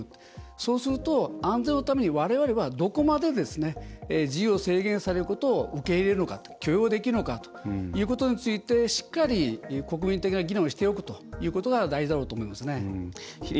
そうすると安全のために、われわれはどこまで自由を制限されることを受け入れるのか、許容できるのかということについて、しっかり国民的な議論をしておくことが大事だろうと思いますね。